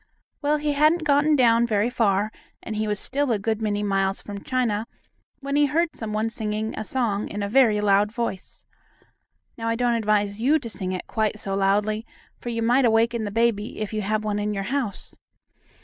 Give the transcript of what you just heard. Well, he hadn't gotten down very far, and he was still a good many miles from China, when he heard some one singing a song in a very loud voice. Now I don't advise you to sing it quite so loudly, for you might awaken the baby, if you have one in your house.